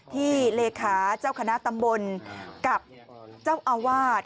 เลขาเจ้าคณะตำบลกับเจ้าอาวาส